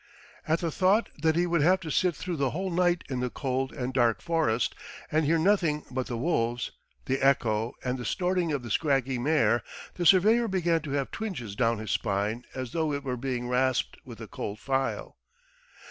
At the thought that he would have to sit through the whole night in the cold and dark forest and hear nothing but the wolves, the echo, and the snorting of the scraggy mare, the surveyor began to have twinges down his spine as though it were being rasped with a cold file.